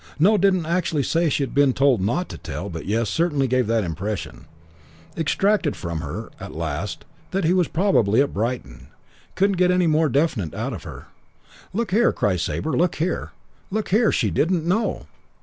No, didn't actually say she had been told not to tell; but, yes, certainly gave that impression. Extracted from her at last that he was probably at Brighton. Couldn't get anything more definite out of her. "'Look here ', cries Sabre. 'Look here look here, she didn't know!'